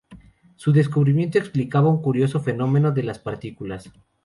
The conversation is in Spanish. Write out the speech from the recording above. Su descubrimiento explicaba un curioso fenómeno de las partículas.